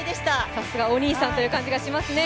さすがお兄さんという感じがしますね。